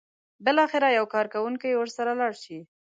بالاخره یو کارکوونکی ورسره لاړ شي.